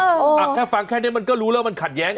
แค่ฟังแค่นี้มันก็รู้แล้วมันขัดแย้ง